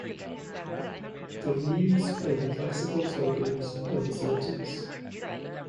The leaves are the lexical tokens of the sentence.